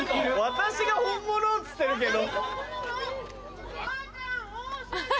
「私が本物」っつってるけど。